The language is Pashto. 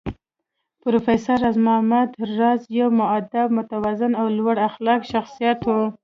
پروفېسر راز محمد راز يو مودب، متوازن او لوړ اخلاقي شخصيت و